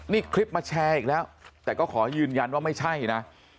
นี่คลิปมาแชร์อีกแล้วแต่ก็ขอยืนยันว่าไม่ใช่นะ